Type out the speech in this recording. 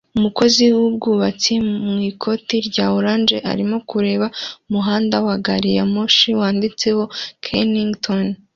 Umukozi wubwubatsi mu ikoti rya orange arimo kureba umuhanda wa gari ya moshi wanditseho Kennington